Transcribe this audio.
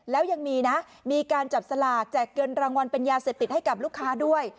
แล้วยังมีนะมีการจับสลากแจกเงินรางวัลเป็นยาเสพติดให้กับลูกค้าด้วย